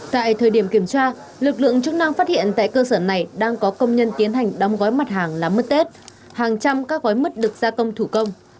tại thời điểm kiểm tra lực lượng chức năng phát hiện tại cơ sở này đang có công nhân tiến hành đong gói mặt hàng làm mứt tết hàng trăm các gói mứt được gia công thủ công